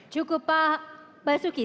cukup pak basuki